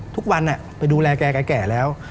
ทุกวันไปดูแลแกแก่แล้ว